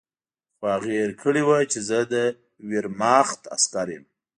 خو هغې هېر کړي وو چې زه د ویرماخت عسکر یم